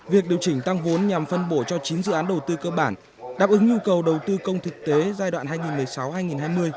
việc điều chỉnh tăng vốn nhằm phân bổ cho chín dự án đầu tư cơ bản đáp ứng nhu cầu đầu tư công thực tế giai đoạn hai nghìn một mươi sáu hai nghìn hai mươi